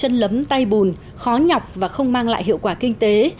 là nghề chân lấm tay bùn khó nhọc và không mang lại hiệu quả kinh tế